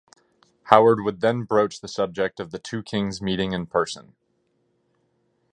Howard would then broach the subject of the two Kings meeting in person.